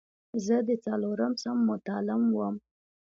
زه د څلورم صنف متعلم وم.